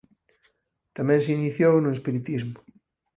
Tamén se iniciou no espiritismo.